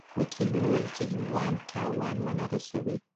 وکیل وویل چې هندوان تاوان ونه رسوي.